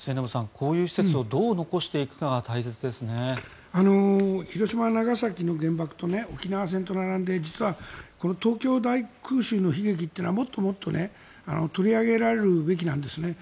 こういう施設をどう残していくかが広島、長崎の原爆と沖縄戦と並んで実はこの東京大空襲の悲劇というのはもっともっと取り上げられるべきなんですね。